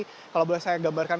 jadi kalau boleh saya gambarkan